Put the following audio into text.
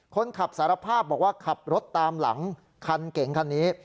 คนขับสารภาพบอกว่าขับรถตามหลังคันเก่งคันนี้